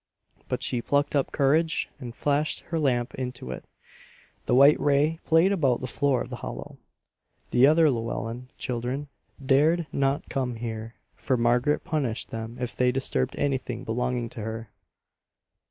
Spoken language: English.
But she plucked up courage and flashed her lamp into it. The white ray played about the floor of the hollow. The other Llewellen children dared not come here, for Margaret punished them if they disturbed anything belonging to her.